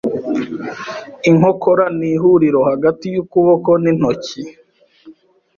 Inkokora ni ihuriro hagati yukuboko nintoki.